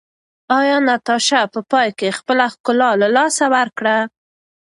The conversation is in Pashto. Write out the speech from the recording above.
ایا ناتاشا په پای کې خپله ښکلا له لاسه ورکړه؟